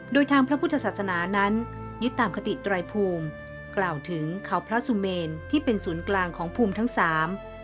โดยทางพระพุทธศาสนานั้นยึดตามคติไตรภูมิกล่าวถึงเขาพระสุเมนที่เป็นศูนย์กลางของภูมิทั้งสาม